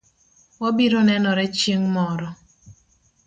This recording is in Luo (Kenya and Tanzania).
Wabiro nenore chieng' moro